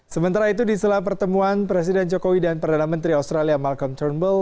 sementara itu di sela pertemuan presiden jokowi dan perdana menteri australia malcom turnbl